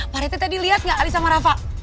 pak rete tadi liat gak ahli sama rafa